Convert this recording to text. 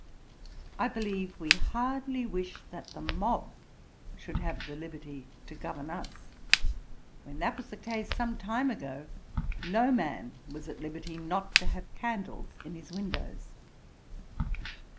I believe we hardly wish that the mob should have liberty to govern us. When that was the case some time ago, no man was at liberty not to have candles in his windows.'